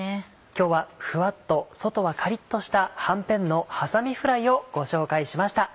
今日はふわっと外はカリっとした「はんぺんのはさみフライ」をご紹介しました。